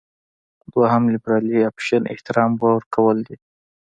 دوهم لېبرالي اپشن احترام ورکړل دي.